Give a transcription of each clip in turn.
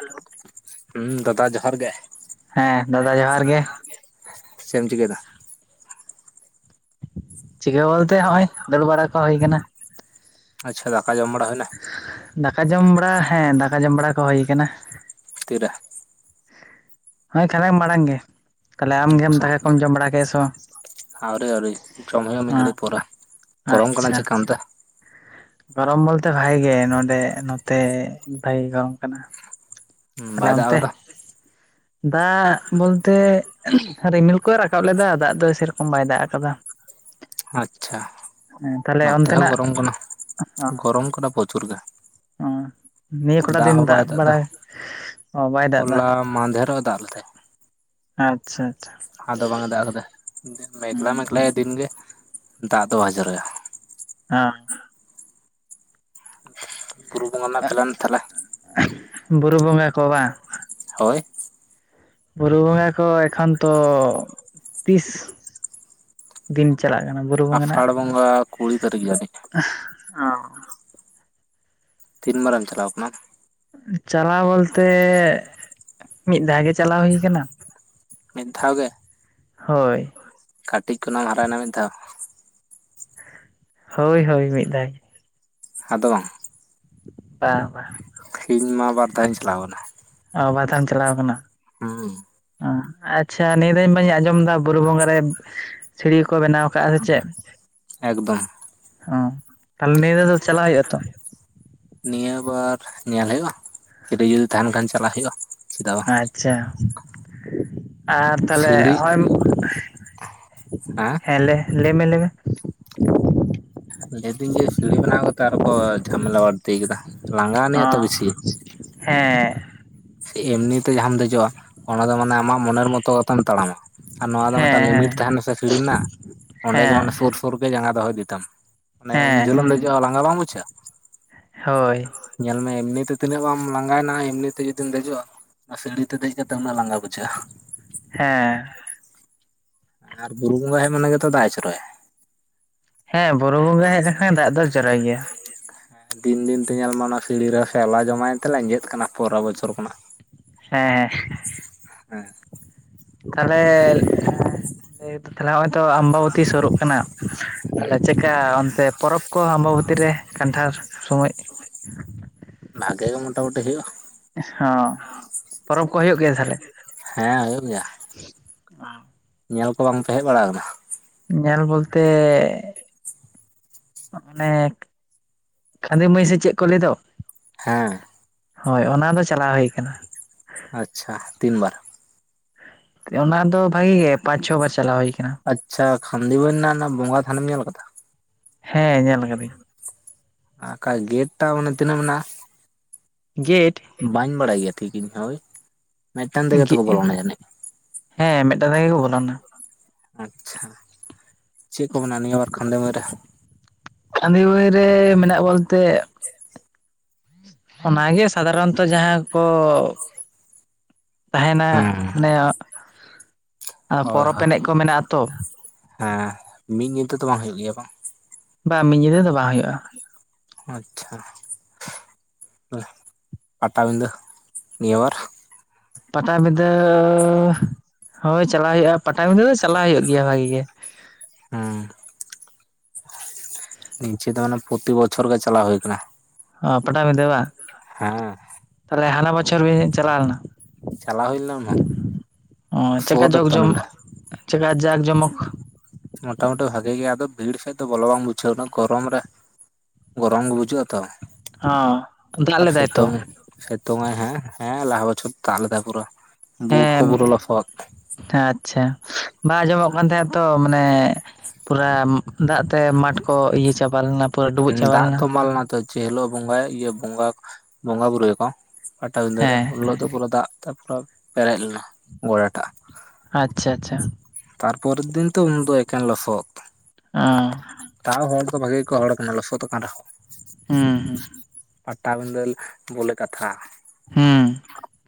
Hello ᱦᱩᱸ ᱫᱟᱫᱟ ᱡᱚᱦᱟᱨ ᱜᱮ ᱦᱮᱸ ᱫᱟᱫᱟ ᱡᱚᱦᱟᱨ ᱜᱮ ᱪᱮᱫ ᱮᱢ ᱪᱤᱠᱟᱹᱭᱮᱫᱟ? ᱪᱤᱠᱟᱹ ᱵᱚᱞᱛᱮ ᱦᱚᱸᱜᱚᱭ ᱫᱟᱹᱲ ᱵᱟᱲᱟ ᱠᱚ ᱦᱩᱭ ᱠᱟᱱᱟ ᱟᱪᱪᱷᱟ ᱫᱟᱠᱟ ᱡᱚᱢ ᱵᱟᱲᱟ ᱦᱩᱭᱱᱟ? ᱫᱟᱠᱟ ᱡᱚᱢ ᱵᱟᱲᱟ ᱦᱮᱸ ᱫᱟᱠᱟ ᱡᱚᱢ ᱵᱟᱲᱟ ᱠᱚ ᱦᱩᱭ ᱠᱟᱱᱟ ᱛᱤᱨᱮ ᱦᱳᱭ ᱠᱷᱟᱨ ᱢᱟᱲᱟᱝ ᱜᱮ ᱛᱟᱦᱚᱞᱮ ᱟᱢᱜᱮᱢ ᱫᱟᱠᱟ ᱠᱚᱢ ᱡᱚᱢ ᱵᱟᱲᱟ ᱠᱮᱫᱮ ᱥᱮ ᱵᱟᱝ ᱟᱣᱨᱤ ᱟᱣᱨᱤ ᱡᱚᱢ ᱦᱩᱭᱩᱜ-ᱟ ᱢᱤᱫ ᱜᱷᱟᱹᱲᱤᱡ ᱯᱚᱨᱮ ᱚ ᱜᱚᱨᱚᱢ ᱠᱟᱱᱟ ᱟᱪᱪᱷᱟ ᱪᱤᱠᱤᱢ ᱛᱮ ᱜᱚᱨᱚᱢ ᱵᱚᱞᱛᱮ ᱵᱷᱟᱜ ᱜᱮ ᱱᱚᱰᱮ ᱱᱚᱛᱮ ᱵᱷᱟᱜᱮ ᱜᱚᱨᱚᱢ ᱠᱟᱱᱟ ᱛᱟᱦᱞᱮ ᱵᱟᱭ ᱫᱟᱜ ᱚᱱᱛᱮ ᱟᱠᱟᱫᱟ ᱫᱟᱜ ᱵᱚᱞᱛᱮ ᱨᱤᱢᱤᱞ ᱠᱚᱭ ᱨᱟᱠᱟᱵ ᱞᱮᱫᱟ ᱫᱟᱜ ᱫᱚ ᱥᱮᱨᱚᱠᱚᱢ ᱵᱟᱭ ᱫᱟᱜ ᱟᱠᱟᱫᱟ ᱟᱪᱪᱷᱟ ᱦᱮᱸ ᱛᱟᱦᱞᱮ ᱱᱚᱛᱮ ᱦᱚᱸ ᱚᱱᱛᱮᱱᱟᱜ ᱜᱚᱨᱚᱢ ᱠᱟᱱᱟ ᱜᱚᱨᱚᱢ ᱠᱟᱱᱟ ᱯᱨᱚᱪᱩᱨ ᱜᱮ ᱚᱸ ᱱᱤᱭᱟᱹ ᱠᱚᱴᱟ ᱫᱤᱱ ᱦᱚᱸ ᱵᱟᱭ ᱫᱟᱜ ᱮᱫᱟ ᱵᱟᱲᱟᱭ ᱚ ᱵᱟᱭ ᱫᱟᱜ ᱫᱟ ᱦᱚᱞᱟ ᱢᱟᱫᱷᱮᱨᱚᱜ ᱫᱟᱜ ᱞᱮᱫᱟᱭ ᱟᱪᱪᱷᱟ ᱟᱪᱪᱷᱟ ᱟᱫᱚ ᱵᱟᱝ ᱮ ᱫᱟᱜ ᱠᱚᱫᱚ ᱢᱮᱜᱞᱟ ᱦᱩᱸ ᱢᱮᱜᱞᱟᱭ ᱫᱤᱱ ᱜᱮ ᱫᱟᱜ ᱫᱚ ᱵᱟᱭ ᱡᱚᱨᱚᱭᱟ ᱟᱸ [inaudible] ᱵᱩᱨᱩ ᱵᱚᱸᱜᱟ ᱠᱚ ᱵᱟᱶ ᱦᱳᱭ ᱵᱩᱨᱩ ᱵᱚᱸᱜᱟ ᱠᱚ ᱮᱠᱷᱚᱱ ᱛᱚ ᱛᱤᱥ ᱫᱤᱱ ᱪᱟᱞᱟᱜ ᱠᱟᱱᱟ ᱵᱩᱨᱩ ᱵᱚᱸᱜᱟ ᱨᱮᱱᱟᱜ ᱟᱥᱟᱲ ᱵᱚᱸᱜᱟ ᱠᱩᱲᱤ ᱛᱟᱨᱤᱠᱷ ᱡᱟᱹᱱᱤᱡ ᱚ ᱛᱤᱱ ᱢᱟᱨᱟᱝ ᱪᱟᱞᱟᱣ ᱠᱟᱱᱟᱢ ᱪᱟᱞᱟᱣ ᱵᱚᱞᱛᱮ ᱢᱤᱫ ᱫᱷᱟᱣ ᱜᱮ ᱪᱟᱞᱟᱣ ᱦᱩᱭ ᱠᱟᱱᱟ ᱢᱤᱫ ᱫᱷᱟᱣ ᱜᱮ ᱦᱳᱭ ᱠᱟᱹᱴᱤᱡ ᱠᱷᱚᱱᱟᱜ ᱦᱟᱨᱟᱭᱮᱱᱟ ᱢᱤᱫ ᱫᱷᱟᱣ ᱦᱳᱭ ᱦᱳᱭ ᱢᱤᱫ ᱫᱷᱟᱣ ᱜᱮ ᱟᱫᱚ ᱵᱟᱝ ᱵᱟᱝ ᱤᱧ ᱢᱟ ᱵᱟᱨ ᱫᱷᱟᱣᱤᱧ ᱪᱟᱞᱟᱣ ᱠᱟᱱᱟ ᱚ ᱵᱟᱨᱫᱷᱟᱣ ᱮᱢ ᱪᱟᱞᱟᱣ ᱠᱟᱱᱟ ᱦᱩᱸ ᱚ ᱟᱪᱪᱷᱟ ᱱᱤᱭᱟᱹ ᱫᱷᱟᱣ ᱵᱟᱹᱧ ᱟᱸᱡᱚᱢ ᱫᱟ ᱵᱩᱨᱩ ᱵᱚᱸᱜᱟ ᱨᱮᱼᱼ ᱥᱤᱲᱤ ᱠᱚ ᱵᱮᱱᱟᱣ ᱠᱟᱫᱼᱟ ᱥᱮ ᱪᱮᱫ ᱮᱠᱫᱚᱢ ᱚ ᱛᱟᱦᱚᱞᱮ ᱱᱤᱭᱟᱹ ᱫᱷᱟᱣ ᱫᱚ ᱪᱟᱞᱟᱜ ᱦᱩᱭᱩᱜ-ᱟ ᱛᱚ ᱱᱤᱭᱟᱹ ᱵᱟᱨ ᱧᱮᱞ ᱦᱩᱭᱩᱜᱼᱟ ᱯᱷᱤᱨᱤ ᱡᱩᱫᱤ ᱛᱟᱦᱮᱱ ᱠᱷᱟᱱ ᱪᱟᱞᱟᱜ ᱦᱩᱭᱩᱜᱼᱟ ᱪᱮᱫᱟᱜ ᱵᱟᱝ ᱟᱪᱪᱷᱟ ᱟᱨ ᱛᱟᱞᱦᱮ ᱥᱤᱲᱤ ᱦᱚᱸᱜᱼᱚᱭᱼᱼ ᱦᱮᱸ ᱦᱮᱸ ᱞᱮ ᱞᱮᱭ ᱢᱮ ᱞᱮᱭ ᱢᱮ ᱞᱮᱭ ᱫᱟᱹᱧ ᱡᱮ ᱥᱤᱲᱤ ᱵᱮᱱᱟᱣ ᱠᱟᱛᱮ ᱟᱨᱚ ᱠᱚ ᱡᱷᱟᱢᱮᱞᱟ ᱵᱟᱹᱲᱛᱤ ᱠᱮᱫᱟ ᱞᱟᱸᱜᱟ ᱟᱹᱱᱤᱡ ᱚ ᱟᱛᱚ ᱵᱤᱥᱤᱼᱼ ᱦᱮᱸ ᱮᱢᱱᱤ ᱛᱮ ᱡᱟᱦᱟᱸᱢ ᱫᱮᱡᱚᱜᱼᱟ ᱚᱱᱟ ᱫᱚ ᱢᱟᱱᱮ ᱟᱢᱟᱜ ᱢᱚᱱᱮᱨ ᱢᱚ ᱛᱚ ᱠᱟᱛᱮᱢ ᱛᱟᱲᱟᱢᱟ ᱟᱨ ᱱᱚᱣᱟ ᱫᱚ ᱦᱮᱸ ᱢᱤᱫᱴᱟᱝ ᱦᱮᱸ ᱞᱤᱢᱤᱴ ᱛᱟᱦᱮᱱᱟ ᱥᱮ ᱥᱤᱲᱤ ᱨᱮᱱᱟᱜ ᱚᱸᱰᱮ ᱜᱮ ᱢᱟᱱᱮ ᱦᱮᱸ ᱥᱩᱨᱼᱼ ᱥᱩᱨ ᱨᱮ ᱜᱮ ᱡᱟᱸᱜᱟ ᱫᱚᱦᱚ ᱤᱫᱤ ᱛᱟᱢ ᱢᱟᱱᱮ ᱩᱱ ᱦᱮᱸ ᱡᱷᱟᱹᱞᱮᱢ ᱫᱮᱡᱚᱜᱼᱟ ᱞᱟᱸᱜᱟ ᱵᱟᱢ ᱵᱩᱡᱷᱟ ᱦᱳᱭ ᱧᱮᱞ ᱢᱮ ᱮᱢᱱᱤ ᱛᱮ ᱛᱤᱱᱟᱹᱜ ᱵᱟᱢ ᱞᱟᱸᱜᱟᱭᱱᱟ ᱮᱢᱱᱤ ᱛᱮᱼᱼ ᱡᱩᱫᱤᱢ ᱫᱮᱡᱚᱜᱼᱟ ᱚᱱᱟ ᱥᱤᱸᱲᱤ ᱛᱮ ᱫᱮᱡ ᱠᱟᱛᱮ ᱩᱱᱟᱹᱜ ᱞᱟᱸᱜᱟ ᱵᱩᱡᱷᱟᱹᱜᱼᱟ ᱦᱮᱸ ᱟᱨ ᱵᱩᱨᱩ ᱵᱚᱸᱜᱟ ᱦᱮᱡ ᱢᱟᱱᱮ ᱜᱮᱛᱚ ᱫᱟᱜ ᱮ ᱡᱚᱨᱚᱭᱟ ᱦᱮᱸ ᱵᱳᱨᱳ ᱵᱚᱸᱜᱟ ᱦᱮᱡ ᱞᱮᱱ ᱠᱷᱟᱱ ᱫᱟᱜ ᱫᱚᱭ ᱡᱚᱨᱚᱭ ᱜᱮᱭᱟ ᱦᱮᱸ ᱫᱤᱱ ᱫᱤᱱ ᱛᱮ ᱧᱮᱞ ᱢᱮ ᱚᱱᱟ ᱥᱤᱸᱲᱤ ᱨᱮ ᱥᱮᱣᱞᱟ ᱡᱚᱢᱟᱭ ᱮᱱ ᱛᱮ ᱞᱮᱸᱡᱮᱫ ᱠᱟᱱᱟ ᱯᱚᱨᱮᱨ ᱵᱚᱪᱷᱚᱨ ᱠᱷᱚᱱᱟᱜ ᱦᱮᱸ ᱦᱮᱸ ᱦᱮᱸ ᱛᱟᱦᱞᱮ ᱦᱮᱸᱼᱼ [unintelligible] ᱛᱟᱦᱞᱮ ᱦᱚᱸᱜᱼᱚᱭ ᱛᱚ ᱟᱢᱵᱟᱵᱚᱛᱤ ᱥᱩᱨᱩᱜ ᱠᱟᱱᱟ ᱛᱟᱦᱞᱮ ᱪᱮᱫ ᱠᱟ ᱚᱱᱛᱮ ᱯᱚᱨᱚᱵᱽ ᱠᱚ ᱟᱢᱵᱟᱵᱚᱛᱤ ᱨᱮ ᱠᱟᱱᱴᱷᱟᱲ ᱥᱚᱢᱳᱡᱼᱼ ᱵᱷᱟᱜᱮ ᱜᱮ ᱢᱚᱴᱟᱢᱩᱴᱤ ᱦᱩᱭᱩᱜ-ᱟ ᱦᱚᱸ ᱯᱚᱨᱚᱵᱽ ᱠᱚ ᱦᱩᱭᱩᱜ ᱜᱮᱭᱟ ᱛᱟᱦᱞᱮ ᱦᱮᱸ ᱦᱩᱭᱩᱜ ᱜᱮᱭᱟ ᱧᱮᱞ ᱠᱚ ᱵᱟᱝ ᱯᱮ ᱦᱮᱡ ᱵᱟᱲᱟ ᱠᱟᱱᱟ ᱧᱮᱞ ᱵᱚᱞ ᱛᱮᱻ ᱚᱱᱮ ᱠᱷᱟᱸᱫᱤ ᱢᱟᱹᱭ ᱥᱮ ᱪᱮᱫ ᱠᱚ ᱞᱟᱹᱭ ᱫᱚᱼᱼ ᱦᱮᱸ ᱦᱳᱭ ᱚᱱᱟ ᱫᱚ ᱪᱟᱞᱟᱣ ᱦᱩᱭ ᱟᱠᱟᱱᱟ ᱟᱪᱪᱷᱟ ᱛᱤᱱ ᱵᱟᱨᱼᱼ ᱚᱱᱟ ᱫᱚ ᱵᱷᱟᱜᱮ ᱜᱮᱼᱼ [inaudible] ᱟᱪᱪᱷᱟ ᱠᱷᱟᱸᱫᱤ ᱵᱚᱱ ᱨᱮᱱᱟᱜ ᱚᱱᱟ ᱵᱚᱸᱜᱟ ᱛᱷᱟᱱᱮᱢ ᱧᱮᱞ ᱟᱠᱟᱫᱟ ᱦᱮᱸ ᱧᱮᱞ ᱠᱟᱹᱫᱟᱹᱧ ᱟᱠᱟᱡ ᱜᱮᱴ ᱴᱟ ᱢᱟᱱᱮ ᱛᱤᱱᱟᱹᱜ ᱢᱮᱱᱟᱜᱼᱟ ᱜᱮᱴᱼᱼ ᱵᱟᱹᱧ ᱵᱟᱲᱟᱭ ᱜᱮᱭᱟ ᱴᱷᱤᱠ ᱤᱧ ᱦᱳᱭ ᱢᱤᱫᱴᱮᱱ ᱛᱮᱜᱮ ᱜᱮ ᱛᱚᱠᱚ ᱵᱚᱞᱚᱱᱟ ᱡᱟᱱᱤᱡ ᱦᱮᱸ ᱢᱤᱫᱴᱟᱝ ᱛᱮᱜᱮ ᱠᱚ ᱵᱚᱞᱚᱱᱟ ᱟᱪᱪᱷᱟ ᱪᱮᱫ ᱠᱚ ᱢᱮᱱᱟ-ᱟ ᱱᱤᱭᱟᱹ ᱵᱟᱨ ᱠᱷᱟᱸᱫᱤ ᱢᱟᱹᱭ ᱨᱮᱼᱼ ᱠᱷᱟᱸᱫᱤ ᱢᱟᱹᱭ ᱨᱮ ᱢᱮᱱᱟᱜ ᱵᱚᱞ ᱛᱮᱼᱼ ᱚᱱᱟᱜᱮ ᱥᱟᱫᱷᱟᱨᱚᱱᱛᱚ ᱡᱟᱦᱟᱸ ᱠᱚ ᱛᱟᱦᱮᱱᱟ ᱦᱮᱸ ᱢᱟᱱᱮ ᱦᱳᱭ ᱯᱚᱨᱚᱯ ᱦᱳᱭ ᱮᱱᱮᱜ ᱠᱚ ᱢᱮᱱᱟᱜᱼᱟ ᱟᱛᱚ᱾ ᱦᱮᱸ ᱢᱤᱫ ᱧᱤᱛᱟᱹ ᱫᱚ ᱵᱟᱝ ᱦᱩᱭᱩᱜ ᱜᱮᱭᱟ ᱵᱟᱝ᱾ ᱵᱟᱝ ᱢᱤᱫ ᱧᱤᱫᱟᱹ ᱫᱚ ᱵᱟᱝ ᱦᱳᱭᱳᱜᱼᱟ᱾ ᱟᱪᱷᱟ ᱯᱟᱴᱟᱵᱤᱫᱷᱟᱹ ᱱᱤᱭᱟᱹ ᱵᱟᱨ ᱯᱟᱴᱟᱵᱤᱫᱟᱹ ᱦᱳᱭ ᱪᱟᱞᱟᱣ ᱦᱩᱭᱩᱜᱼᱟ ᱯᱟᱴᱟᱵᱤᱫᱟᱹ ᱫᱚ ᱪᱟᱞᱟᱜ ᱦᱩᱭᱩᱜ ᱜᱮᱭᱟ ᱵᱷᱟᱜᱤ ᱜᱮ ᱦᱮᱸ ᱤᱱᱪᱮ ᱫᱚ ᱚᱱᱮ ᱯᱨᱚᱛᱤ ᱵᱚᱪᱷᱚᱨ ᱜᱮ ᱪᱟᱞᱟᱣ ᱦᱩᱭ ᱠᱟᱱᱟ᱾ ᱚᱸ ᱯᱟᱴᱟᱵᱤᱱᱫᱟ ᱵᱟ᱾ ᱦᱮᱸ ᱛᱟᱦᱚᱞᱮ ᱦᱟᱱᱟ ᱵᱚᱪᱷᱚᱨ ᱵᱤᱱ ᱪᱟᱞᱟᱣ ᱞᱮᱱᱟ᱾ ᱪᱟᱞᱟᱣ ᱦᱩᱭ ᱞᱮᱱᱟ ᱚ ᱥᱚᱨ ᱪᱮᱠᱟ ᱨᱮ ᱡᱚᱜᱽ ᱛᱚ ᱡᱚᱢ ᱱᱚᱸᱰᱮ ᱪᱮᱠᱟ ᱡᱟᱠ ᱡᱚᱢᱚᱠ ᱢᱚᱴᱟᱢᱩᱴᱤ ᱵᱷᱟᱜᱮ ᱜᱮᱭᱟ ᱟᱫᱚ ᱵᱷᱤᱲ ᱥᱮᱫ ᱫᱚ ᱵᱚᱞᱚ ᱵᱟᱝ ᱵᱩᱡᱷᱟᱹᱣ ᱮᱱᱟ ᱜᱚᱨᱚᱢ ᱨᱮ ᱜᱚᱨᱚᱢ ᱜᱮ ᱵᱩᱡᱷᱟᱹᱜ-ᱟ ᱛᱚ᱾ ᱚ ᱫᱟᱜ ᱟᱨ ᱞᱮᱫᱟᱭ ᱛᱚ ᱥᱤᱛᱩᱝ ᱥᱤᱛᱩᱝ ᱟᱭ ᱦᱮᱸ ᱦᱮᱸ ᱞᱟᱦᱟ ᱵᱚᱪᱷᱚᱨ ᱫᱟᱜ ᱞᱮᱫᱟᱭ ᱯᱩᱨᱟᱹ ᱵᱩᱴ ᱠᱚ ᱯᱩᱨᱟ ᱞᱚᱥᱚᱫ ᱦᱮᱸ ᱟᱪᱪᱷᱟ ᱵᱟᱝ ᱟᱸᱡᱚᱢᱚᱜ ᱠᱟᱱ ᱛᱟᱦᱮᱸᱜ ᱛᱚ ᱢᱟᱱᱮ ᱯᱩᱨᱟ ᱫᱟᱜ ᱛᱮ ᱢᱟᱴ ᱠᱚ ᱤᱭᱟᱹ ᱪᱟᱵᱟ ᱞᱮᱱᱟ᱾ ᱯᱩᱨᱟᱹ ᱰᱩᱵᱩᱡ ᱦᱩᱸ ᱪᱟᱵᱟ ᱫᱟᱜ ᱞᱮᱱᱟ ᱛᱚᱢᱵᱟᱞᱱᱟ ᱛᱚ ᱡᱮ ᱦᱤᱞᱳᱜ ᱵᱚᱸᱜᱟᱭ ᱤᱭᱟᱹ ᱵᱚᱸᱜᱟ ᱵᱚᱸᱜᱟ ᱵᱩᱨᱩᱭᱟ ᱠᱚ᱾ ᱯᱟᱴᱟᱵᱤᱸᱫᱟ ᱨᱮ ᱩᱱ ᱦᱮᱸ ᱦᱤᱞᱳᱜ ᱫᱚ ᱯᱩᱨᱟᱹ ᱫᱟᱜ ᱛᱮ ᱯᱩᱨᱟᱹ ᱯᱮᱨᱮᱡ ᱞᱮᱱᱟ ᱜᱚᱲᱴᱟᱜ ᱟᱪᱪᱷᱟ ᱟᱪᱪᱷᱟ ᱛᱟᱨᱯᱚᱨᱮ ᱫᱤᱱ ᱛᱚ ᱩᱱ ᱫᱚ ᱮᱠᱮᱱ ᱞᱚᱥᱚᱫ ᱦᱮᱸ ᱛᱟᱣ ᱦᱚᱲ ᱫᱚ ᱵᱷᱟᱜᱮ ᱜᱮᱠᱚ ᱦᱚᱲ ᱠᱟᱱᱟ ᱞᱚᱥᱚᱫ ᱟᱠᱟᱱ ᱨᱮᱦᱚᱸ ᱦᱩᱸ ᱦᱩᱸ ᱯᱟᱴᱟ ᱵᱤᱫᱟ ᱵᱚᱞᱮ ᱠᱟᱛᱷᱟ ᱦᱩᱸ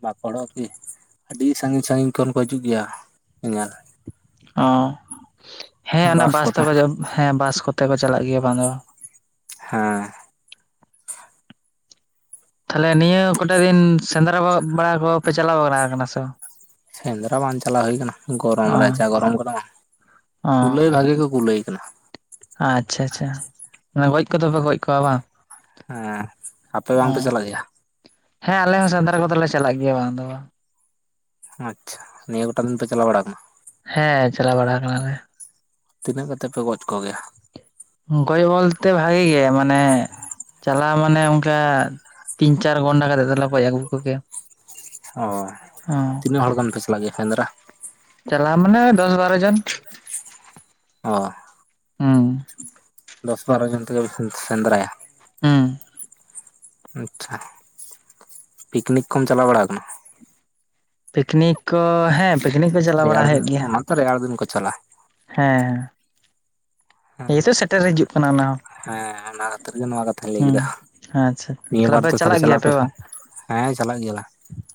ᱵᱟᱠᱚ ᱦᱚᱲᱚᱜ-ᱟ ᱠᱤ ᱟᱹᱰᱤ ᱥᱟᱺᱜᱤᱧ ᱥᱟᱺᱜᱤᱧ ᱠᱷᱚᱱ ᱠᱚ ᱦᱤᱡᱩᱜ ᱜᱮᱭᱟ ᱧᱮᱧᱮᱞ ᱚ ᱦᱮᱸ ᱚᱱᱟ ᱵᱟᱥ ᱛᱮᱠᱚ ᱦᱮᱸ ᱵᱟᱥ ᱠᱚᱛᱮ ᱠᱚ ᱪᱟᱞᱟᱜ ᱜᱮᱭᱟ ᱵᱟᱝ ᱫᱚ ᱦᱮᱸ ᱛᱟᱦᱚᱞᱮ ᱱᱤᱭᱟᱹ ᱠᱚᱴᱟ ᱫᱤᱱ ᱥᱮᱸᱫᱽᱨᱟ ᱵᱟᱲᱟ ᱠᱚᱯᱮ ᱪᱟᱞᱟᱣ ᱵᱟᱲᱟ ᱠᱚᱯᱮ ᱥᱮ ᱵᱟᱝ? ᱥᱮᱸᱫᱽᱨᱟ ᱵᱟᱝ ᱪᱟᱞᱟᱣ ᱦᱩᱭ ᱟᱠᱟᱱᱟ ᱜᱚᱨᱚᱢ ᱨᱮ ᱡᱟ ᱜᱚᱨᱚᱢ ᱠᱟᱱᱟ ᱵᱟᱝ ᱚ ᱠᱩᱞᱟᱹᱭ ᱵᱷᱟᱜᱤ ᱠᱚ ᱠᱩᱞᱟᱹᱭ ᱟᱠᱟᱱᱟ᱾ ᱟᱪᱪᱷᱟ ᱟᱪᱪᱷᱟ ᱜᱚᱡ ᱠᱚᱫᱚ ᱯᱮ ᱜᱚᱡ ᱠᱚᱣᱟ ᱵᱟᱝ? ᱦᱮᱸ ᱟᱯᱮ ᱚ ᱵᱟᱝᱯᱮ ᱪᱟᱞᱟᱜ ᱜᱮᱭᱟ᱾ ᱦᱮᱸ ᱟᱞᱮ ᱦᱚᱸ ᱥᱮᱸᱫᱽᱨᱟ ᱠᱚᱫᱚ ᱞᱮ ᱪᱟᱞᱟᱜ ᱜᱮᱭᱟ ᱵᱟᱝ ᱫᱚ ᱵᱟᱝ ᱟᱪᱪᱷᱟ ᱱᱤᱭᱟᱹ ᱠᱚᱴᱟ ᱫᱚᱤᱱ ᱯᱮ ᱪᱟᱞᱟᱣ ᱵᱟᱲᱟ ᱠᱟᱱᱟ᱾ ᱦᱮᱸ ᱪᱟᱞᱟᱣ ᱵᱟᱲᱟ ᱠᱟᱱᱟᱞᱮ ᱛᱤᱱᱟᱹᱜ ᱠᱟᱛᱮ ᱯᱮ ᱜᱚᱡ ᱠᱚ ᱜᱮᱭᱟ᱾ ᱜᱚᱡ ᱵᱚᱞᱛᱮ ᱵᱷᱟᱜᱤ ᱜᱮ ᱢᱟᱱᱮ ᱪᱟᱞᱟᱣ ᱢᱟᱱᱮ ᱚᱱᱠᱟ ᱛᱤᱱ ᱪᱟᱨ ᱜᱷᱚᱱᱰᱟ ᱠᱟᱛᱮᱜ ᱫᱚᱞᱮ ᱜᱚᱡ ᱟᱜᱩ ᱠᱚ ᱜᱮᱭᱟ᱾ ᱛᱤᱱᱟ ᱦᱚᱲ ᱜᱟᱱ ᱯᱮ ᱥᱮ [inaudible] ᱥᱮᱸᱫᱽᱨᱟ ᱪᱟᱞᱟᱣ ᱢᱟᱱᱮ ᱫᱚᱥ ᱵᱟᱨᱚ ᱡᱚᱱ ᱚ ᱦᱩᱸ ᱫᱚᱥ ᱵᱟᱨᱚ ᱡᱚᱱ ᱛᱮ ᱜᱮ ᱯᱮ ᱥᱮ ᱥᱮᱸᱫᱽᱨᱟᱭᱟ ᱦᱩᱸ ᱟᱪᱷᱟ ᱯᱤᱠᱱᱤᱠ ᱠᱚᱢ ᱪᱟᱞᱟᱣ ᱵᱟᱲᱟ ᱠᱟᱱᱟ ᱯᱤᱠᱱᱤᱠ ᱠᱚ ᱦᱮᱸ ᱯᱤᱠᱱᱤᱠ ᱠᱚ ᱪᱟᱞᱟᱣ ᱨᱮᱭᱟᱲ ᱵᱟᱲᱟ ᱫᱤᱱ ᱦᱩᱭᱩᱜ ᱜᱮᱭᱟ ᱚᱱᱟ ᱛᱚ ᱨᱮᱭᱟᱲ ᱫᱤᱱ ᱠᱚ ᱪᱟᱞᱟᱜᱼᱟ ᱦᱮᱸ [unintelligible] ᱱᱤᱭᱟᱹ ᱛᱚ ᱥᱮᱴᱮᱨ ᱦᱤᱡᱩᱜ ᱠᱟᱱᱟ ᱚᱱᱟ ᱦᱚᱸ ᱦᱮᱸ ᱚᱱᱟ ᱠᱷᱟᱹᱛᱤᱨ ᱜᱮ ᱱᱚᱣᱟ ᱠᱟᱛᱷᱟᱧ ᱞᱟᱹᱭ ᱠᱮᱫᱟ ᱦᱩᱸ ᱟᱪᱪᱷᱟ ᱱᱤᱭᱟᱹ ᱛᱟᱦᱞᱮ ᱵᱟᱨ ᱯᱮ ᱫᱚ ᱛᱟᱦᱚᱞᱮ ᱪᱟᱞᱟᱜ ᱪᱟᱞᱟ ᱜᱮᱭᱟᱯᱮ ᱯᱟ ᱵᱟᱝ ᱦᱮᱸ ᱪᱟᱞᱟᱜ ᱜᱮᱭᱟᱞ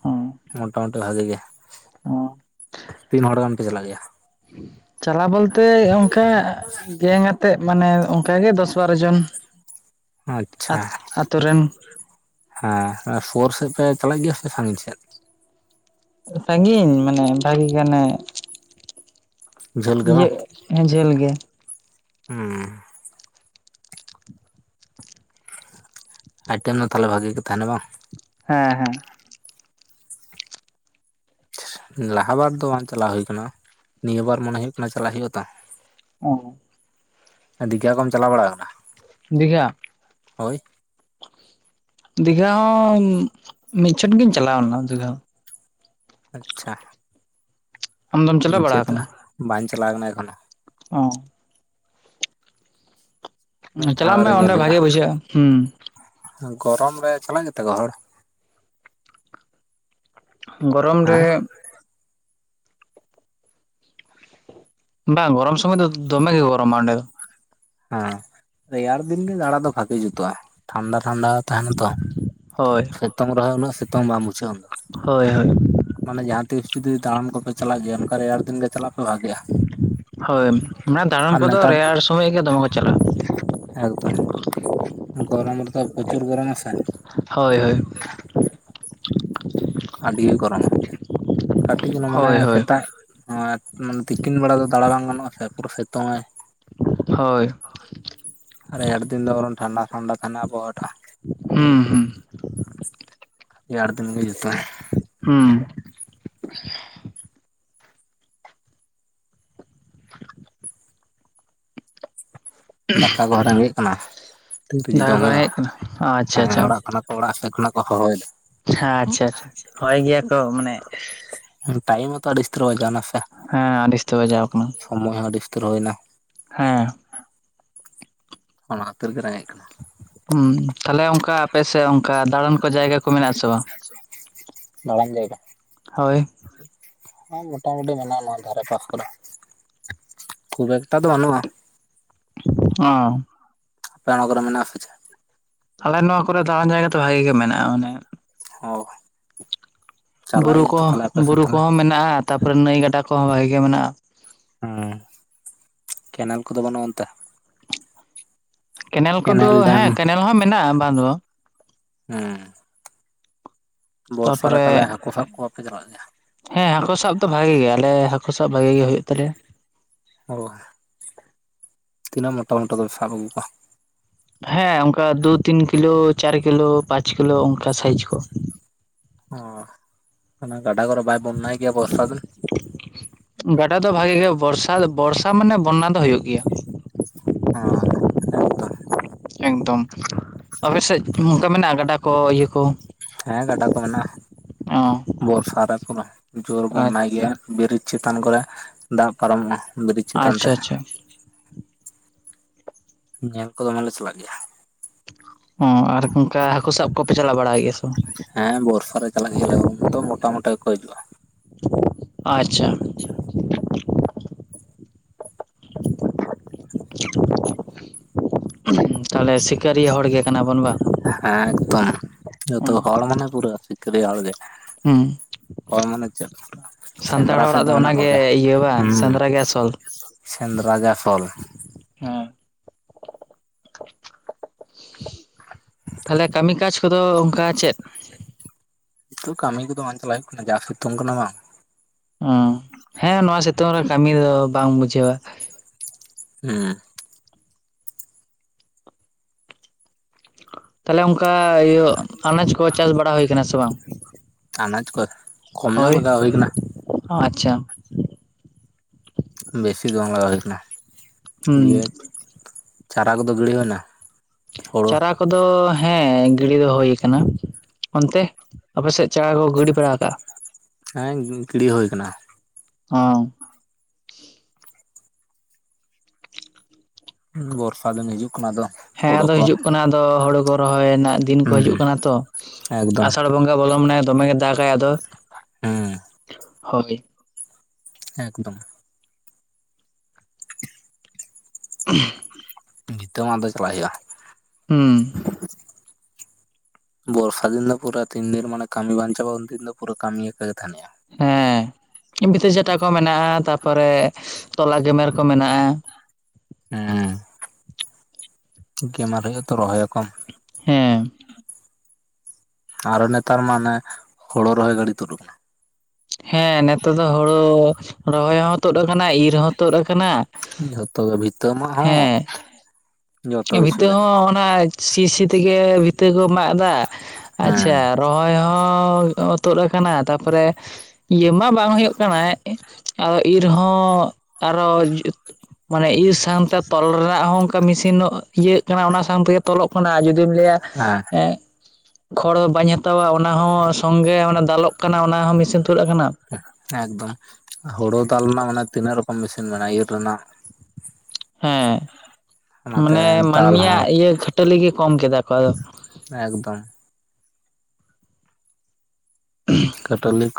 ᱦᱚᱸ ᱢᱚᱴᱟᱢᱩᱴᱤ ᱵᱷᱟᱜᱤ ᱜᱮ᱾ ᱛᱤᱱ ᱦᱚᱲ ᱜᱟᱱ ᱯᱮ ᱪᱟᱞᱟᱜ ᱜᱮᱭᱟ? ᱪᱟᱞᱟᱣ ᱵᱚᱞᱛᱮ ᱚᱱᱠᱟ ᱜᱮᱝ ᱟᱛᱮᱜ, ᱢᱟᱱᱮ ᱚᱱᱠ ᱜᱮ ᱫᱚᱥ ᱵᱟᱨᱚ ᱡᱚᱱ ᱟᱪᱪᱷᱟ, ᱟᱛᱳ ᱨᱮᱱ ᱦᱮᱸ ᱯᱷᱳᱨ ᱥᱮᱫ ᱯᱮ ᱪᱟᱞᱟᱜ ᱜᱮᱭᱟ ᱥᱮ ᱥᱟᱺᱜᱤᱧ ᱥᱮᱫ? ᱥᱟᱺᱜᱤᱧ ᱢᱟᱱᱮ ᱵᱷᱟᱜᱤ ᱜᱟᱱᱮ ᱡᱷᱟᱹᱞ ᱜᱮ ᱤᱭᱟᱹ ᱮᱸ ᱡᱷᱟᱹᱞ ᱜᱮ ᱩᱸᱻ ᱟᱭᱴᱮᱢ ᱫᱚ ᱛᱟᱦᱚᱞᱮ ᱵᱷᱟᱜᱤ ᱜᱮ ᱛᱟᱦᱮᱱᱟ ᱵᱟᱝ, ᱦᱮᱸ ᱦᱮᱸ ᱞᱟᱦᱟ ᱵᱟᱨ ᱫᱚ ᱵᱟᱝ ᱪᱟᱞᱟᱣ ᱦᱩᱭ ᱠᱟᱱᱟ᱾ᱱᱤᱭᱟᱹ ᱵᱟᱨ ᱢᱚᱱᱮ ᱦᱩᱭᱩᱜ ᱠᱟᱱᱟ ᱪᱟᱞᱟᱜ ᱦᱩᱭᱩᱜᱼᱟ ᱛᱚ, ᱚᱻ ᱫᱤᱜᱷᱟ ᱠᱚᱢ ᱪᱟᱞᱟᱣ ᱵᱟᱲᱟᱜ ᱟᱠᱟᱱᱟ? ᱫᱤᱜᱷᱟ, ᱦᱳᱭ ᱫᱤᱜᱷᱟ ᱦᱚᱸ ᱢᱤᱫᱪᱷᱚᱴ ᱜᱤᱧ ᱪᱟᱞᱟᱣ ᱞᱮᱱᱟ ᱫᱤᱜᱷᱟ᱾ ᱟᱪᱪᱷᱟ, ᱟᱢᱫᱚᱢ ᱪᱟᱞᱟᱣ ᱵᱟᱲᱟ ᱱᱤᱪᱟᱹ ᱫᱚ ᱟᱠᱟᱱᱟ ᱵᱟᱝᱧ ᱪᱟᱞᱟᱣ ᱠᱟᱱᱟ ᱮᱠᱷᱚᱱᱳ ᱚ ᱢᱤᱫ ᱫᱷᱟᱣ ᱪᱟᱞᱟᱜ ᱢᱮ ᱨᱮ ᱚᱱᱰᱮ ᱧᱮᱞ ᱦᱩᱭᱩᱜᱼᱟ ᱵᱷᱟᱜᱮ ᱵᱩᱢᱷᱟᱼᱟ, ᱦᱩᱸ ᱜᱚᱨᱚᱢ ᱨᱮ ᱪᱟᱞᱟᱜ ᱜᱮᱛᱮ ᱠᱚ ᱦᱚᱲ? ᱜᱚᱨᱚᱢ ᱨᱮ, ᱦᱮᱸ ᱵᱟᱝ ᱜᱚᱨᱚᱢ ᱥᱚᱢᱚᱭ ᱫᱚ ᱫᱚᱢᱮ ᱜᱮ ᱜᱚᱨᱚᱢ ᱚᱸᱰᱮ ᱫᱚ, ᱦᱮᱸ ᱨᱮᱭᱟᱲ ᱫᱤᱱ ᱜᱮ ᱫᱟᱬᱟ ᱫᱚ ᱵᱷᱟᱜᱤ ᱡᱩᱛᱩᱜᱼᱟ᱾ᱴᱷᱟᱱᱰᱟ ᱴᱷᱟᱱᱰᱟ ᱛᱟᱦᱮᱱᱟ ᱛᱚ ᱦᱳᱭ ᱥᱤᱛᱩᱝ ᱨᱮᱦᱚᱸ ᱩᱱᱟᱹᱜ ᱥᱤᱛᱩᱝ ᱵᱟᱝᱢ ᱵᱩᱡᱷᱟᱹᱜᱼᱟ ᱩᱱ ᱫᱚ, ᱦᱳᱭ ᱦᱳᱭ, ᱢᱟᱱᱮ ᱡᱟᱦᱟᱸ ᱛᱤᱥ ᱡᱩᱫᱤ ᱫᱟᱬᱟᱱ ᱠᱚᱯᱮ ᱪᱟᱞᱟᱜ ᱜᱮᱭᱟ ᱚᱱᱠ ᱨᱮᱭᱟᱲ ᱫᱤᱱ ᱜᱮ ᱪᱟᱞᱟᱜ ᱯᱮ ᱵᱷᱟᱜᱤᱼᱟ᱾ ᱦᱳᱭ ᱢᱟᱱᱮ ᱫᱟᱬᱟᱱ ᱠᱚᱫᱚ ᱱᱮᱛᱟᱨ ᱨᱮᱭᱟᱲ ᱥᱳᱢᱚᱭ ᱜᱮ ᱫᱚᱢᱮ ᱠᱚ ᱪᱟᱞᱟᱜᱼᱟ᱾ ᱮᱠᱫᱚᱢ ᱜᱚᱨᱚᱢ ᱨᱮᱫᱚ ᱯᱨᱚᱪᱩᱨ ᱜᱚᱨᱚᱢᱟ ᱥᱮ᱾ ᱦᱳᱭ ᱦᱳᱭ ᱟᱹᱰᱤᱜᱮ ᱜᱚᱨᱚᱢᱟ, ᱠᱟᱹᱴᱤᱡ ᱡᱮᱱᱚ ᱢᱟᱱᱮ ᱦᱳᱭ ᱦᱳᱭ ᱥᱮᱛᱟᱜ ᱦᱚᱭᱮᱛ ᱢᱟᱱᱮ ᱛᱤᱠᱤᱱ ᱵᱮᱲᱟ ᱫᱚ ᱫᱟᱬᱟ ᱵᱟᱝ ᱜᱟᱱᱚᱜᱼᱟ ᱥᱮ ᱯᱩᱨ ᱥᱤᱛᱩᱝ ᱟᱭ᱾ ᱦᱳᱭ, ᱟᱨ ᱨᱮᱭᱟᱲ ᱫᱤᱱ ᱫᱚ ᱵᱱᱨ ᱴᱷᱟᱰᱟ ᱴᱷᱟᱱᱰᱟ ᱛᱟᱱᱮᱱᱟ ᱟᱵᱚᱦᱴᱟ᱾ ᱦᱩᱸ ᱦᱩᱸ ᱨᱮᱭᱟᱲ ᱫᱤᱱ ᱡᱩᱛᱚᱜ ᱟᱭ ᱦᱩᱸ [unintelligible] ᱫᱟᱠᱟ ᱠᱚᱦᱚᱸ ᱨᱮᱸᱜᱮᱡ ᱠᱟᱱᱟ ᱛᱤᱱ ᱛ ᱡᱮ ᱫᱟᱠᱟ ᱡᱚᱢ ᱠᱚ ᱦᱩᱭᱩᱜᱼᱟ ᱨᱮᱸᱜᱮᱡ ᱠᱟᱱᱟ ᱟᱪᱪᱷᱟ ᱦᱮᱸ ᱟᱪᱪᱷᱟ ᱚᱲᱟᱜ ᱠᱷᱚᱱᱟᱜ, ᱚᱲᱟᱜ ᱥᱮᱫ ᱠᱷᱚᱱᱟᱜ ᱠᱚ ᱦᱚᱦᱚᱭᱫᱟ᱾ ᱟᱪᱪᱷᱟ ᱟᱪᱪᱷᱟ ᱦᱚᱭ ᱜᱮᱭᱟ ᱠᱚ ᱢᱟᱱᱮ ᱴᱟᱭᱢ ᱦᱚᱸ ᱚᱛ ᱟᱹᱰᱤ ᱩᱥᱛᱚᱨᱚ ᱵᱟᱡᱟᱣᱱᱟ ᱥᱮ ᱦᱮᱸ ᱟᱹᱰᱤᱩᱥᱛᱟᱹᱭ ᱵᱟᱡᱟᱣ ᱟᱠᱟᱱᱟ᱾ ᱥᱚᱢᱚᱭ ᱦᱚᱸ ᱟᱹᱰᱤ ᱩᱛᱟᱹᱨ ᱦᱳᱭᱱᱟ᱾ ᱦᱮᱸ᱾ ᱚᱱᱟ ᱠᱷᱟᱹᱨ ᱜᱮ ᱨᱮᱸᱜᱮᱡ ᱠᱟᱱᱟ᱾ ᱦᱩᱸ ᱛᱟᱦᱞᱮ ᱚᱱᱠᱟ ᱟᱯᱮᱥᱮᱫ ᱚᱱᱠᱟ ᱫᱟᱬᱟᱱ ᱠᱚ ᱡᱟᱭᱜᱟ ᱠᱚ ᱢᱮᱱᱟᱜ ᱟ ᱥᱮ ᱵᱟᱝ? ᱫᱟᱬᱟᱱ ᱡᱟᱭᱜᱟ ᱦᱳᱭ᱾ ᱦᱮᱸ ᱢᱳᱴᱟᱢᱩᱴᱤ ᱢᱮᱱᱟᱜᱼᱟ ᱱᱚᱣᱟ ᱫᱷᱟᱨᱮ ᱯᱟᱥ ᱠᱚᱨᱮ᱾ ᱠᱷᱩᱵ ᱮᱠᱴᱟ ᱫᱚ ᱵᱟᱹᱱᱩᱜᱼᱟ᱾ ᱚ᱾ ᱟᱯᱮ ᱚᱱᱟ ᱠᱚᱨᱮ ᱢᱮᱱᱟᱜᱼᱟ ᱥᱮ ᱪᱮᱫ? ᱟᱞᱮ ᱱᱚᱣᱟ ᱠᱚᱨᱮ ᱫᱟᱬᱟᱱ ᱡᱟᱭᱜᱟ ᱫᱚ ᱵᱷᱟᱜᱮ ᱜᱮ ᱢᱮᱱᱟᱜᱼᱟ ᱚᱱᱮ᱾ ᱦᱚ᱾ ᱵᱩᱨᱩ ᱠᱚᱦᱚᱸ ᱵᱩᱨᱩ ᱠᱚᱦᱚᱸ ᱢᱮᱱᱟᱜᱼᱟ᱾ ᱛᱟᱯᱚᱨᱮ ᱱᱟᱹᱭ ᱜᱟᱰᱟ ᱠᱚᱦᱚᱸ ᱵᱷᱟᱜᱮ ᱜᱮ ᱢᱮᱱᱟᱜᱼᱟ᱾ ᱦᱮᱸ ᱠᱮᱱᱮᱞ ᱠᱚᱫᱚ ᱵᱟᱹᱱᱩᱜ ᱚᱱᱛᱮ? ᱠᱮᱱᱮᱞ ᱠᱚᱫᱚ ᱦᱮᱸ ᱠᱮᱱᱮᱞ ᱦᱚᱸ ᱢᱮᱱᱟᱜᱼᱟ ᱵᱟᱝ ᱫᱚ ᱵᱟᱝ᱾ ᱦᱮᱸ᱾ ᱵᱚᱨᱥᱟ ᱨᱮ ᱛᱟᱯᱚᱨᱮ ᱛᱟᱦᱟᱞᱮ ᱦᱟᱹᱠᱩ ᱥᱟᱵ ᱠᱚ ᱵᱟᱯᱮ ᱪᱟᱞᱟᱜ ᱜᱮᱭᱟ? ᱦᱮᱸ ᱦᱟᱹᱠᱩ ᱥᱟᱵ ᱫᱚ ᱵᱷᱟᱜᱤ ᱜᱮᱭᱟ ᱟᱞᱮ ᱦᱟᱹᱠᱩ ᱥᱟᱵ ᱵᱷᱟᱜᱮ ᱜᱮ ᱦᱩᱭᱩᱜ ᱛᱟᱞᱮᱭᱟ᱾ ᱚ᱾ ᱛᱤᱱᱟᱹᱜ ᱢᱚᱴᱟ ᱢᱚᱴᱟ ᱵᱮᱱ ᱥᱟᱵ ᱟᱹᱜᱩ ᱠᱚᱣᱟ᱾ ᱦᱮᱸ ᱚᱱᱠᱟ ᱫᱩ ᱛᱤᱱ ᱠᱤᱞᱳ, ᱪᱟᱨ ᱠᱤᱞᱳ, ᱯᱟᱸᱪ ᱠᱤᱞᱳ ᱚᱱᱠᱟ ᱥᱟᱭᱤᱡ ᱠᱚ᱾ ᱦᱚᱸ ᱚᱱᱟ ᱜᱟᱰᱟ ᱜᱚᱨᱮ ᱵᱟᱭ ᱵᱚᱱᱱᱟᱭ ᱜᱮᱭᱟ ᱵᱚᱨᱥᱟ ᱫᱤᱱ᱾ ᱜᱟᱰᱟ ᱫᱚ ᱵᱷᱟᱜᱮ ᱜᱮ ᱵᱚᱨᱥᱟ ᱫᱚ ᱵᱚᱨᱥᱟ ᱢᱟᱱᱮ ᱵᱚᱱᱱᱟ ᱫᱚ ᱦᱩᱭᱩᱜ ᱜᱮᱭᱟ᱾ ᱚ ᱮᱠᱫᱚᱢ᱾ ᱮᱠᱫᱚᱢ ᱟᱯᱮᱥᱮᱫ ᱚᱝᱠᱟ ᱢᱮᱱᱟᱜᱼᱟ ᱜᱟᱰᱟ ᱠᱚ ᱤᱭᱟᱹ ᱠᱚ? ᱦᱮᱸ ᱜᱟᱰᱟ ᱠᱚ ᱢᱮᱱᱟᱜᱼᱟ᱾ ᱚ ᱵᱚᱨᱥᱟ ᱨᱮ ᱯᱩᱨᱟᱹ ᱡᱳᱨ ᱵᱚᱱᱱᱟᱭ ᱜᱮᱭᱟ᱾ ᱵᱨᱤᱡᱽ ᱪᱮᱛᱟᱱ ᱠᱚᱨᱮ ᱫᱟᱜ ᱯᱟᱨᱚᱢᱚᱜᱼᱟ ᱵᱨᱤᱡᱽ ᱪᱮᱛᱟᱱ ᱛᱮ᱾ ᱟᱪᱪᱷᱟ ᱟᱪᱪᱷᱟ ᱧᱮᱞ ᱠᱚ ᱫᱚᱢᱮᱞᱮ ᱪᱟᱞᱟᱜ ᱜᱮᱭᱟ᱾ ᱦᱚᱸ ᱟᱨ ᱚᱱᱠᱟ ᱦᱟᱹᱠᱩ ᱥᱟᱵ ᱠᱚᱯᱮ ᱪᱟᱞᱟᱣ ᱵᱟᱲᱟᱭ ᱜᱮᱭᱟ ᱥᱮ ᱵᱟᱝ? ᱦᱮᱸ ᱵᱚᱨᱥᱟ ᱨᱮ ᱪᱟᱞᱟᱜ ᱜᱮᱭᱟᱞᱮ ᱩᱱ ᱫᱚ ᱢᱚᱴᱟ ᱢᱚᱴᱟ ᱜᱮᱠᱚ ᱦᱤᱡᱩᱜᱼᱟ᱾ ᱟᱪᱪᱷᱟ᱾ [inaudible] ᱛᱟᱦᱟᱞᱮ ᱥᱤᱠᱟᱹᱨᱤᱭᱟᱹ ᱦᱚᱲ ᱜᱮ ᱠᱟᱱᱟ ᱵᱚᱱ ᱵᱟᱝ? ᱦᱮᱸ ᱮᱠᱫᱚᱢ ᱡᱚᱛᱚ ᱦᱩᱸ ᱦᱚᱲ ᱢᱟᱱᱮ ᱯᱩᱨᱟᱹ ᱥᱤᱠᱟᱹᱨᱤᱭᱟᱹ ᱦᱚᱲ ᱜᱮ᱾ ᱦᱚᱲ ᱢᱟᱱᱮ ᱪᱮᱫ? ᱥᱟᱱᱛᱟᱲ ᱥᱮᱸᱫᱽᱨᱟ ᱥᱮᱫ ᱦᱚᱲᱟᱜ ᱫᱚ ᱢᱮᱱᱟᱜ ᱚᱱᱟᱜᱮ ᱠᱚᱜᱮᱭᱟ᱾ ᱤᱭᱟᱹ ᱵᱟᱝ ᱦᱩᱸ᱾ ᱥᱮᱸᱫᱽᱨᱟ ᱜᱮ ᱟᱥᱚᱞ ᱥᱮᱸᱫᱽᱨᱟ ᱜᱮ ᱟᱥᱚᱞ᱾ ᱦᱮᱸ ᱛᱷᱟᱞᱮ ᱠᱟᱹᱢᱤ ᱠᱟᱡᱽ ᱠᱚᱫᱚ ᱚᱱᱠᱟ ᱪᱮᱫ? ᱱᱤᱛᱚᱜ ᱠᱟᱹᱢᱤ ᱠᱚᱫᱚ ᱵᱟᱝ ᱪᱟᱞᱟᱜ ᱦᱩᱭᱩᱜ ᱠᱟᱱᱟ ᱡᱟ ᱥᱩᱛᱩᱢ ᱠᱟᱱᱟ ᱵᱟᱝ᱾ ᱩᱸ ᱦᱮᱸ ᱱᱚᱣᱟ ᱥᱤᱛᱩᱝ ᱨᱮ ᱠᱟᱹᱢᱤ ᱫᱚ ᱵᱟᱝ ᱵᱩᱡᱷᱟᱹᱣᱟᱺ ᱦᱩᱸ᱾ ᱛᱟᱦᱞᱮ ᱚᱱᱠᱟ ᱤᱭᱟᱹ ᱟᱱᱟᱡ ᱠᱚ ᱪᱟᱥ ᱵᱟᱲᱟ ᱦᱩᱭ ᱠᱟᱱᱟ ᱥᱮ ᱵᱟᱝ? ᱟᱱᱟᱡ ᱠᱚᱢ ᱧᱚᱜ ᱦᱳᱭ ᱞᱟᱜᱟᱣ ᱦᱩᱭ ᱠᱟᱱᱟ᱾ ᱟᱪᱪᱷᱟ ᱵᱮᱥᱤ ᱫᱚ ᱵᱟᱝ ᱞᱟᱜᱟᱣ ᱦᱩᱭ ᱠᱟᱱᱟ, ᱫᱤᱭᱮ ᱦᱩᱸ ᱪᱟᱨᱟ ᱠᱚᱫᱚ ᱜᱤᱲᱤ ᱦᱩᱭᱱᱟ? ᱦᱳᱲᱳ ᱪᱟᱨᱟ ᱠᱚᱫᱚ ᱦᱮᱸ ᱜᱤᱲᱤ ᱫᱚ ᱦᱳᱭ ᱠᱟᱱᱟ, ᱚᱱᱛᱮ? ᱟᱯᱮᱥᱮᱫ ᱪᱟᱲᱟ ᱠᱚ ᱜᱟᱹᱰᱤ ᱵᱟᱲᱟ ᱠᱟᱜᱼᱟ? ᱦᱮᱸ ᱜᱤᱲᱤ ᱦᱳᱭ ᱠᱟᱱᱟ [unintelligible] ᱵᱚᱨᱥᱟ ᱫᱤᱱ ᱦᱤᱡᱩᱜ ᱠᱟᱱᱟ ᱟᱫᱚ ᱦᱮᱸ ᱦᱳᱲᱳ ᱟᱫᱚ ᱠᱚ ᱦᱤᱡᱩᱜ ᱠᱟᱱᱟ ᱟᱫᱚ ᱦᱳᱲᱳ ᱠᱚ ᱨᱚᱦᱚᱭ ᱨᱮᱱᱟᱜ ᱫᱤᱱ ᱠᱚ ᱦᱩᱸ ᱦᱤᱡᱩᱜ ᱠᱟᱱᱟ ᱛᱚ ᱮᱠᱫᱚᱢ ᱟᱥᱟᱲ [unintelligible] ᱵᱚᱞᱚ ᱢᱟᱱᱮ ᱫᱚᱢᱮ ᱜᱮ ᱫᱟᱜᱟᱭ ᱟᱫᱚ ᱦᱮᱸ ᱦᱳᱭ ᱮᱠᱫᱚᱢ [unintelligible] ᱵᱤᱛᱟᱹ [unintelligible] ᱪᱟᱞᱟᱜ ᱦᱩᱭᱩᱜᱼᱟ ᱦᱩ ᱵᱚᱨᱥᱟ ᱫᱤᱱ ᱫᱚ ᱯᱩᱨᱟᱹ ᱛᱤᱱ ᱫᱤᱱ ᱢᱟᱱᱮ ᱠᱟᱢᱤ ᱵᱟᱝ ᱪᱟᱵᱟᱜᱼᱟ ᱩᱱ ᱫᱤᱱ ᱫᱚ ᱯᱩᱨᱟᱹ ᱠᱟᱢᱤ ᱟᱠᱟᱜᱮ ᱛᱟᱦᱮᱸᱱ ᱦᱩᱭᱩᱜᱼᱟ ᱦᱮᱸ ᱵᱷᱤᱛᱟᱹ ᱪᱟᱴᱟ ᱠᱚ ᱢᱮᱱᱟᱜᱼᱟ ᱛᱟᱯᱚᱨᱮ ᱛᱚᱞᱟ ᱜᱮᱢᱮᱨ ᱠᱚ ᱢᱮᱱᱟᱜᱼᱟ ᱦᱮᱸ ᱜᱮᱢᱮᱨ ᱦᱳᱭᱳᱜᱼᱟ ᱛᱚ ᱨᱚᱦᱚᱭᱟᱠᱚ ᱦᱮᱸ ᱟᱨᱚ ᱱᱮᱛᱟᱨ ᱢᱟ ᱚᱱᱮ ᱦᱳᱲᱳ ᱨᱚᱦᱚᱭ ᱜᱟᱹᱰᱤ ᱛᱳᱫ ᱠᱟᱱᱟ ᱦᱮᱸ ᱱᱮᱛᱚᱜ ᱫᱚ ᱦᱳᱲᱳ ᱨᱚᱦᱚᱭ ᱦᱚᱸ ᱛᱳᱫ ᱠᱟᱱᱟ ᱤᱨ ᱦᱚᱸ ᱛᱳᱫ ᱠᱟᱱᱟ ᱡᱷᱚᱛᱚ ᱜᱮ ᱵᱷᱤᱛᱟᱹ ᱢᱟᱜ ᱦᱚᱸ ᱡᱚᱛᱚ [unintelligible] ᱠᱤᱪᱷᱩ ᱵᱷᱤᱛᱟᱹ ᱜᱮ ᱦᱚᱸ ᱚᱱᱟ ᱥᱤ ᱥᱤ ᱛᱮᱜᱮ ᱵᱷᱤᱛᱟᱹ ᱠᱚ ᱢᱟᱜᱫᱟ ᱦᱮᱸ ᱟᱪᱪᱷᱟ ᱨᱚᱦᱚᱭ ᱦᱚᱸ ᱛᱳᱫ ᱟᱠᱟᱱᱟ ᱛᱟᱯᱚᱨᱮ ᱤᱭᱟᱹ ᱢᱟ ᱵᱟᱝ ᱦᱳᱭᱳᱜ ᱠᱟᱱᱟ ᱟᱫᱚ ᱤᱨ ᱦᱚᱸ ᱟᱨᱚ ᱢᱟᱱᱮ ᱤᱨ ᱥᱟᱣᱛᱮ ᱛᱚᱞ ᱨᱮᱱᱟᱜ ᱦᱚᱸ ᱚᱱᱠᱟ ᱢᱮᱥᱤ [unintelligible] ᱤᱭᱟᱹᱜ ᱠᱟᱱᱟ ᱚᱱᱟ ᱥᱟᱣᱛᱮᱜᱮ ᱛᱚᱞᱚᱜ ᱠᱟᱱᱟ ᱡᱩᱫᱤᱢ ᱞᱟᱹᱭᱟ ᱦᱮᱸ ᱮ ᱠᱷᱚᱲ ᱵᱟᱹᱧ ᱦᱟᱛᱟᱣᱟ ᱚᱱᱟ ᱦᱚᱸ ᱥᱚᱸᱝᱜᱮ ᱚᱱᱟ ᱫᱟᱞᱚᱜ ᱠᱟᱱᱟ ᱚᱱᱟ ᱦᱚᱸ ᱢᱮᱥᱤᱱ ᱛᱩᱫ ᱟᱠᱟᱱᱟ ᱮᱠᱫᱚᱢ ᱦᱳᱲᱳ ᱫᱟᱞ ᱨᱮᱱᱟᱜᱟᱱᱮ ᱛᱤᱱᱟᱹᱜ ᱨᱚᱠᱚᱢ ᱢᱮᱥᱤᱱ ᱢᱮᱱᱟᱜᱼᱟ, ᱤᱨ ᱨᱮᱱᱟᱜ ᱦᱮᱸ, ᱚᱱᱟᱛᱮ ᱢᱟᱱᱮ ᱫᱟᱞ ᱦᱚᱸ ᱢᱟᱹᱱᱢᱤᱭᱟᱜ ᱤᱭᱟᱹ ᱠᱷᱟᱹᱴᱟᱹᱞᱤ ᱜᱮ ᱠᱚᱢ ᱠᱮᱫᱟ ᱠᱚ ᱟᱫᱚ ᱮᱠᱫᱚᱢ [unintelligible] ᱠᱷᱟᱹᱴᱟᱞᱤ